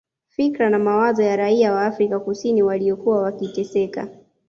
Fikra na mawazo ya raia wa Afrika kusini waliokuwa wakiteseka